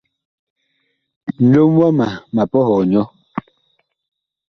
Nlom wama ma pɔhɔɔ nyɔ.